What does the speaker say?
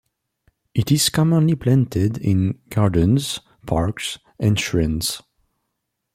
It is commonly planted in gardens, parks, and shrines.